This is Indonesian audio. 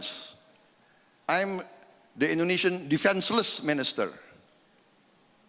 saya pemerintah yang tidak memiliki pertahanan